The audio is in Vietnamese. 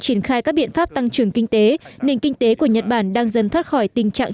triển khai các biện pháp tăng trưởng kinh tế nền kinh tế của nhật bản đang dần thoát khỏi tình trạng